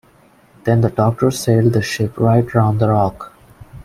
Then the Doctor sailed the ship right round the rock.